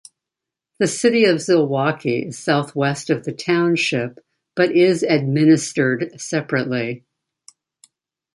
The city of Zilwaukee is southwest of the township, but is administered separately.